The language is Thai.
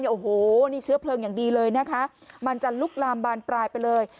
โอ้โหนี่เชื้อเพลิงอย่างดีเลยนะคะมันจะลุกลามบานปลายไปเลย